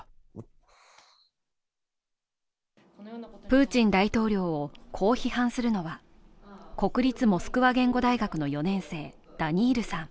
プーチン大統領をこう批判するのは国立モスクワ言語大学の４年生ダニールさん。